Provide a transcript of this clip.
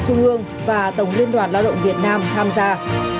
trung ương và tổng liên đoàn lao động việt nam tham gia